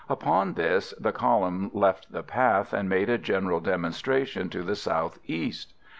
Upon this the column left the path and made a general demonstration to the south east.